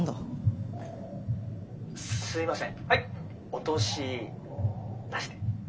「お通しなしで」。